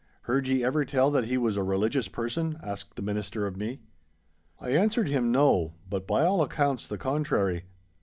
Heard ye ever tell that he was a religious person?' asked the Minister of me. I answered him no, but by all accounts the contrary.